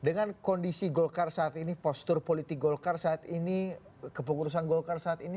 dengan kondisi golkar saat ini postur politik golkar saat ini kepengurusan golkar saat ini